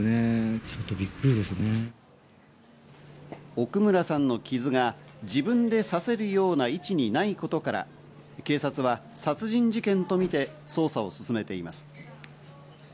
奥村さんの傷が自分で刺せるような位置にないことから、警察は殺人事件とみて捜査を進めています。